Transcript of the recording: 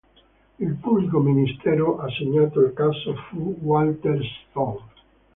Il pubblico ministero assegnato al caso fu Walter Stoll.